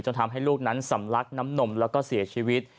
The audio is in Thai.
ทำให้ลูกนั้นสำลักน้ำนมแล้วก็เสียชีวิต